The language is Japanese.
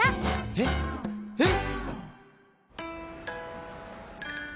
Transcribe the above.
えっえっ！？